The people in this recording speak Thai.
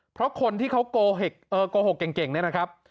เพราะคนที่เขาโกหกเก่งเนี่ยนะครับ